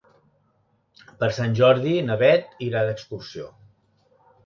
Per Sant Jordi na Bet irà d'excursió.